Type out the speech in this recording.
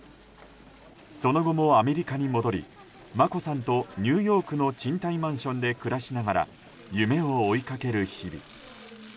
その後もアメリカに戻り、眞子さんとニューヨークの賃貸マンションで暮らしながら夢を追いかける日々。